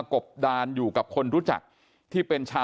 กลุ่มตัวเชียงใหม่